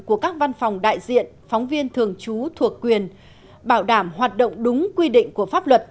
của các văn phòng đại diện phóng viên thường trú thuộc quyền bảo đảm hoạt động đúng quy định của pháp luật